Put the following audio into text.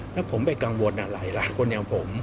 แล้วผมเป็นกังวลอะไรล่ะคนแนวผม